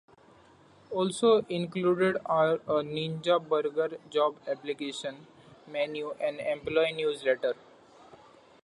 Also included are a Ninja Burger job application, menu and employee newsletter.